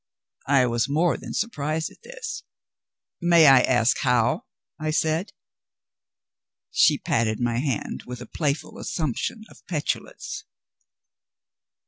I was more than surprised at this. "May I ask how?" I said. She patted my hand with a playful assumption of petulance.